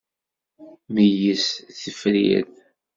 Meyyez s tifrirt.